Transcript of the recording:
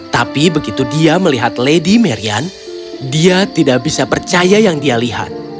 tapi begitu dia melihat lady marian dia tidak bisa percaya yang dia lihat